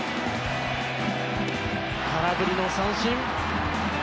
空振りの三振。